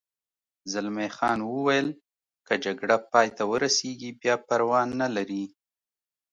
زلمی خان وویل: که جګړه پای ته ورسېږي بیا پروا نه لري.